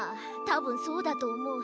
たぶんそうだとおもう。